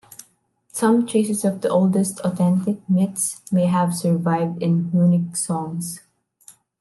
Some traces of the oldest authentic myths may have survived in runic songs.